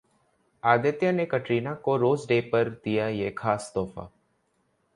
आदित्य ने कटरीना को Rose day पर दिया ये खास तोहफा